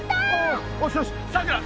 よしよしさくら